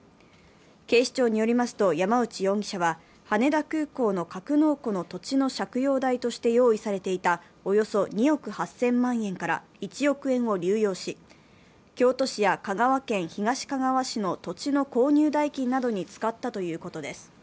警視庁によりますと、山内容疑者は羽田空港の格納庫の土地の借用大として用意されていたおよそ２億８０００万円から１億円を流用し、京都市や香川県東かがわ市の土地の購入代金などに使ったということです。